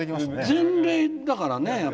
前例だからね。